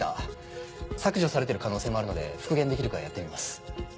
削除されてる可能性もあるので復元できるかやってみます。